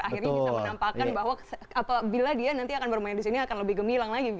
akhirnya bisa menampakan bahwa apabila dia nanti akan bermain disini akan lebih gemilang lagi